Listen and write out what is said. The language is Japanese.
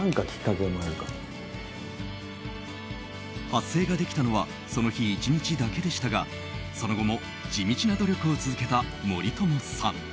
発声ができたのはその日１日だけでしたがその後も地道な努力を続けた森友さん。